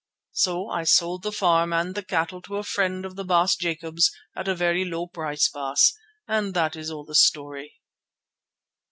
So I sold the farm and the cattle to a friend of the Baas Jacob's, at a very low price, Baas, and that is all the story."